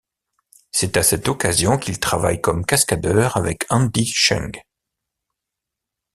C'est à cette occasion qu'il travaille comme cascadeur avec Andy Cheng.